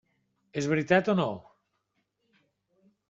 És veritat o no?